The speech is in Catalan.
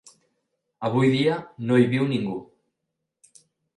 Avui dia no hi viu ningú.